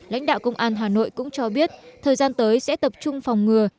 lãnh đạo công an hà nội cũng cho biết thời gian tới sẽ tập trung phòng ngừa